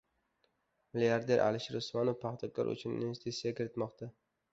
Milliarder Alisher Usmonov «Paxtakor» uchun investitsiya kiritmoqda